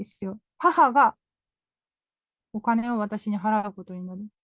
母がお金を私に払うことになる。